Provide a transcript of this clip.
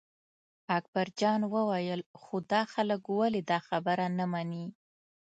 اکبرجان وویل خو دا خلک ولې دا خبره نه مني.